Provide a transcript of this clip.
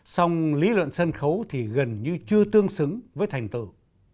song lý luận sân khấu thì gần như chưa tương xứng với thành tựu